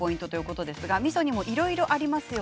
みそは、いろいろあります。